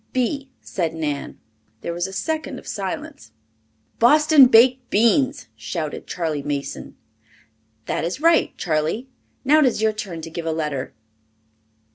"B," said Nan. There was a second of silence. "Boston Baked Beans!" shouted Charley Mason. "That is right, Charley. Now it is your turn to give a letter."